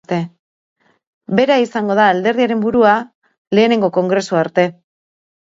Bera izango da alderdiaren burua lehenengo kongresua arte.